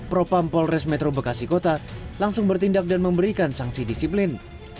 propam polres metro bekasi kota langsung bertindak dan memberikan sanksi disiplin